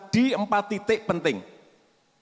di empat titik penerbangan